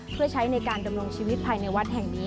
เพื่อใช้ในการดำรงชีวิตภายในวัดแห่งนี้